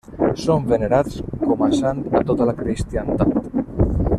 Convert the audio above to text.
Són venerats com a sant a tota la cristiandat.